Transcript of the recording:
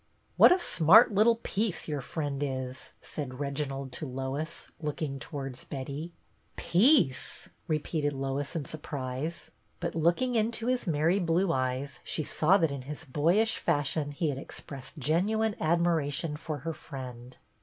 " What a smart little piece your friend is," said Reginald to Lois, looking towards Betty. THE PLAY 153 " Piece !" repeated Lois in surprise. But looking into his merry blue eyes she saw that in his boyish fashion he had expressed genuine admiration for her friend.